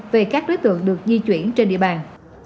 về các đối tượng được di chuyển trên địa bàn